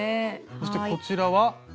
そしてこちらは？